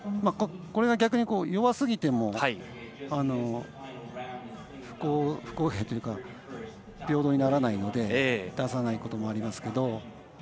これは逆に弱すぎても不公平というか平等にならないので出さないこともありますけど。